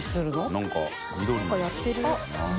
なんかやってる。